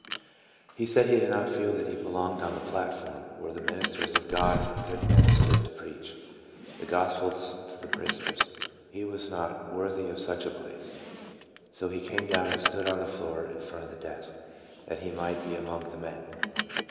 He said he did not feel that he belonged on the platform, where the ministers of God and good men stood to preach the gospel to the prisoners ; he was not worthy of such a place. So he came down and stood on the floor in front of the desk, that he might be among the men.